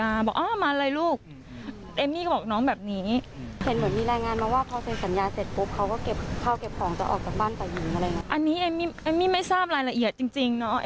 อันนี้เอมมี่เอมมี่ไม่ทราบรายละเอียดจริงเนาะ